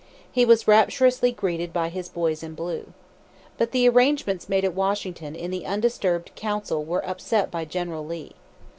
He was rapturously greeted by "his boys in blue." But the arrangements made at Washington in the undisturbed council were upset by General Lee.